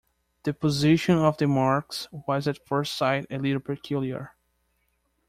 The position of the marks was at first sight a little peculiar.